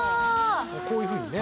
こういうふうにね。